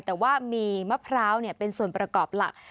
แต่ว่ามีมะพร้าวเป็นส่วนประกอบหลัก